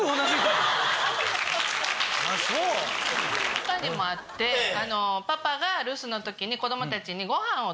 他にもあってパパが留守の時に子供たちに。